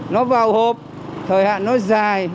nó vào hộp thời hạn nó dài